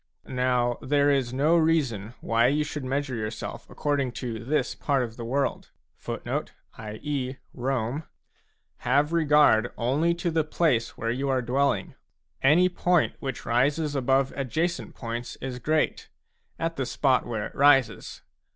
Now there is no reason why you should measure yourself according to this part of the world a ; have regard only to the place where you are dwelling. Any point which rises above adjacent points is great, at the spot where it rises.